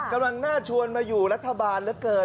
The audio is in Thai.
กำลังน่าชวนมาอยู่รัฐบาลเหลือเกิน